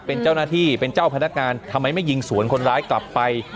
เป็นเจ้าหน้าที่เป็นเจ้าพนักงานทำไมไม่ยิงสวนคนร้ายกลับไป